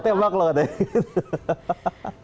tembak loh katanya